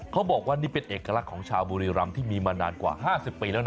เขาบอกว่านี่เป็นเอกลักษณ์ของชาวบุรีรำที่มีมานานกว่า๕๐ปีแล้วนะ